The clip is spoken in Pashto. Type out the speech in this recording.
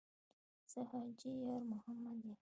ـ زه حاجي یارمحمد یم.